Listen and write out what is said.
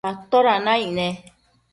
¿atoda naic ne?